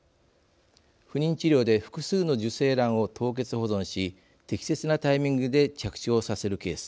不妊治療で複数の受精卵を凍結保存し適切なタイミングで着床させるケース。